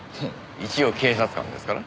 一応警察官ですから。